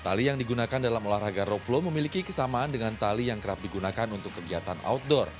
tali yang digunakan dalam olahraga rope flow memiliki kesamaan dengan tali yang kerap digunakan untuk kegiatan outdoor